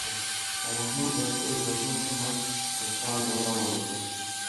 شاه محمود د خپلو ځواکونو پر مخ د ښار د نیولو امر وکړ.